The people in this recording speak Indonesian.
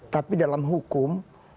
tapi dalam hukum